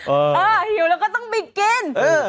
เออถึงหิวแต่ก็ต้องไปกิน